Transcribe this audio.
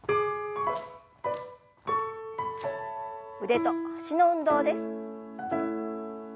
腕と脚の運動です。